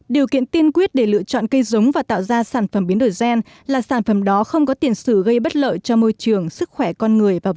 điều kiện tiên quyết để lựa chọn cây giống và tạo ra sản phẩm biến đổi gen là sản phẩm đó không có tiền sử gây bất lợi cho môi trường sức khỏe con người và bảo vệ